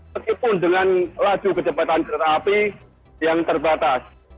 meskipun dengan laju kecepatan kereta api yang terbatas